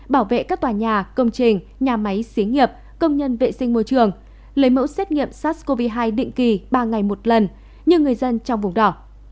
bảo vệ các tòa nhà công trình nhà máy xí nghiệp công nhân vệ sinh môi trường lấy mẫu xét nghiệm sars cov hai định kỳ ba ngày một lần như người dân trong vùng đỏ